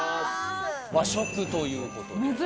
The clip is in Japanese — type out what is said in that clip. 和食ということで。